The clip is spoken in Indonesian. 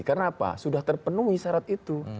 karena apa sudah terpenuhi syarat itu